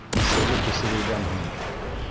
Кисәге төшөрөүҙән һуң?